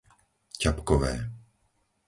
Ťapkové